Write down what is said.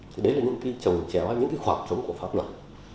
thì đấy là những cái trồng chéo hay những cái khoảng trống của pháp luật